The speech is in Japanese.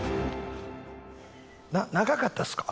長かったですか？